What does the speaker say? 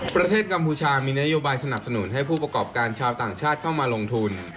กัมพูชามีนโยบายสนับสนุนให้ผู้ประกอบการชาวต่างชาติเข้ามาลงทุน